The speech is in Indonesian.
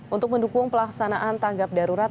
untuk mendukung pelaksanaan tanggap darurat